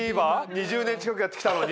２０年近くやって来たのに？